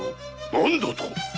何だと！